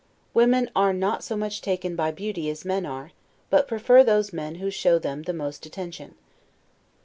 Women are not so much taken by beauty as men are, but prefer those men who show them the most attention.